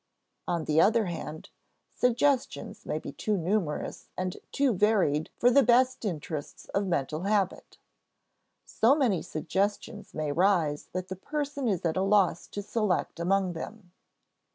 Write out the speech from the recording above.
On the other hand, suggestions may be too numerous and too varied for the best interests of mental habit. So many suggestions may rise that the person is at a loss to select among them.